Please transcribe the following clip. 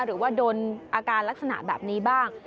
หรือว่าโดนอาการลักษณะแบบนี้บ้าง